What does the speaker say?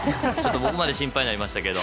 僕まで心配になりましたけど。